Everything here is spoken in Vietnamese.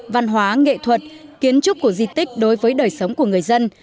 văn hóa nghệ thuật kiến trúc của di tích đối với đời sống của người dân